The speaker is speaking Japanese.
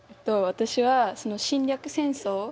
私は侵略戦争